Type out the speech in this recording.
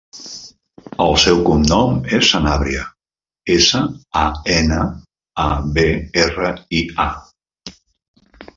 El seu cognom és Sanabria: essa, a, ena, a, be, erra, i, a.